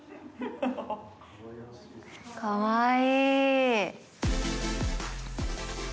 かわいい。